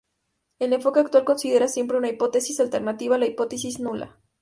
El enfoque actual considera siempre una hipótesis alternativa a la hipótesis nula.